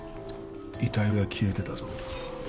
遺体が消えてたぞ。